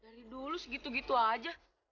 dari dulu segitu gitu aja